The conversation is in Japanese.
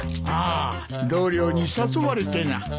ああ同僚に誘われてな。